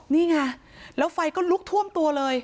นี่ไงแล้วไฟก็ลุกท่วมตัวเลย